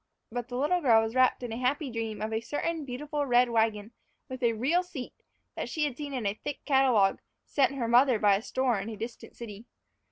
But the little girl was wrapped in a happy dream of a certain beautiful red wagon with a real seat that she had seen in a thick catalogue sent her mother by a store in a distant city.